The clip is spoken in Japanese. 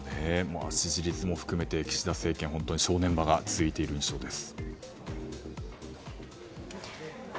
支持率も含めて岸田政権は正念場が続いている印象です。